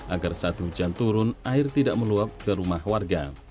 agar saat hujan turun air tidak meluap ke rumah warga